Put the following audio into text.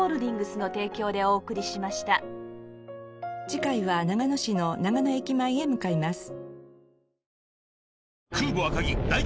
次回は長野市の長野駅前へ向かいます。